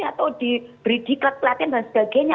atau diberi diklat pelatihan dan sebagainya